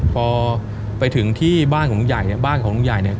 พอไปถึงที่บ้านของลุงใหญ่เนี่ยบ้านของลุงใหญ่เนี่ย